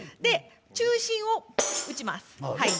中心を打ちます。